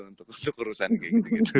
untuk urusan kayak gitu